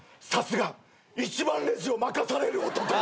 さすが１番レジを任される男。